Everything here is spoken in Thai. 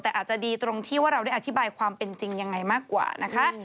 แต่อาจจะดีตรงที่ว่าเราได้อธิบายความเป็นจริงยังไงมากกว่านะคะ